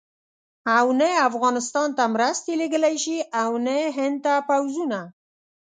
او نه افغانستان ته مرستې لېږلای شي او نه هند ته پوځونه.